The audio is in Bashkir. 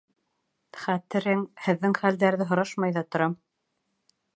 Хәтерең, һеҙҙең хәлдәрҙе һорашмай ҙа торам.